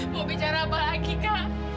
mau bicara apa lagi kak